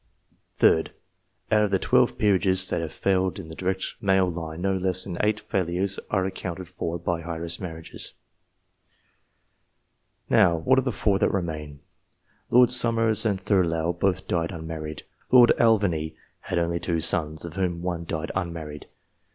3d. Out of the twelve peerages that have failed in the direct male line, no less than eight failures are accounted for by heiress marriages. Now, what of the four that remain ? Lords Somers and Thurlow both died unmarried. Lord Alvanley had only two sons, of whom one died unmarried.